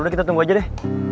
udah kita tunggu aja deh